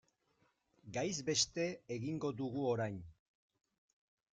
Gaiz beste egingo dugu orain.